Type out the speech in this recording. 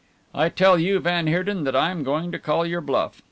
I tell you, van Heerden, that I'm going to call your bluff.